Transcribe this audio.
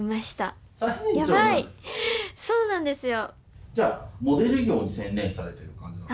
ヤバいそうなんですよ。